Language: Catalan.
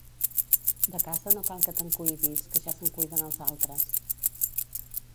De casa, no cal que te'n cuidis, que ja se'n cuiden els altres.